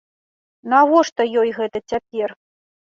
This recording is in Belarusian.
Навошта ёй гэта цяпер?